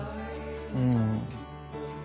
うん。